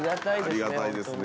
ありがたいですね